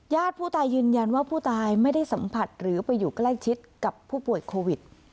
ผู้ตายยืนยันว่าผู้ตายไม่ได้สัมผัสหรือไปอยู่ใกล้ชิดกับผู้ป่วยโควิด